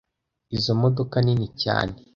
Izi modoka nini cyane